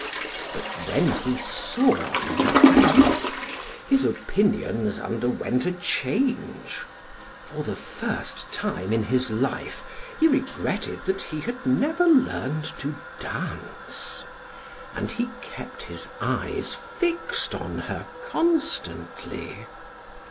But when he saw Nathalie, his opinions underwent a change. For the first time in his life he regretted that he had never learned to dance, and he kept his eyes fixed on her constantly.